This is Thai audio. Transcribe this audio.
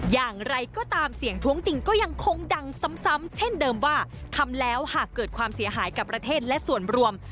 อย่างไรก็ตามเสียงท้วงติงก็ยังคงดังซ้ำเช่นเดิมว่าทำแล้วหากเกิดความเสียหายกับประเทศและส่วนรวม